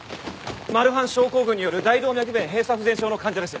マルファン症候群による大動脈弁閉鎖不全症の患者です。